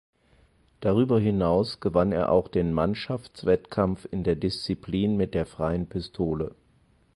Darüber hinaus gewann er auch den Mannschaftswettkampf in der Disziplin mit der Freien Pistole.